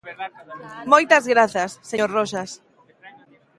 Moitas grazas, señor Roxas.